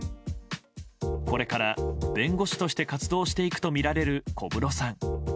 これから弁護士として活動していくとみられる小室さん。